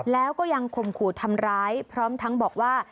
แล้วก็ยังข่มขู่ทำร้ายพร้อมทั้งบอกว่า